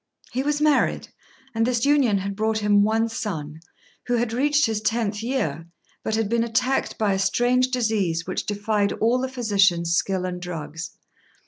He was married, and this union had brought him one son, who had reached his tenth year, but had been attacked by a strange disease which defied all the physician's skill and drugs.